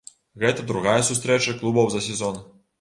Гэта другая сустрэча клубаў за сезон.